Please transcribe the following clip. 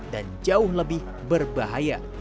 dan jauh lebih berbahaya